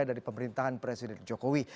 dari pemerintahan presiden jokowi